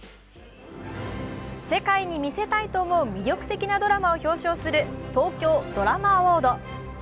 世界に見せたいと思う魅力的なドラマを表彰する東京ドラマアウォード。